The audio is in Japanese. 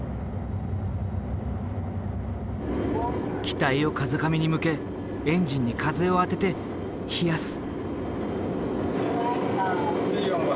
機体を風上に向けエンジンに風を当てて冷やす。